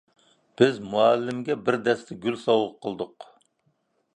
بىز مۇئەللىمگە بىر دەستە گۈل سوۋغا قىلدۇق.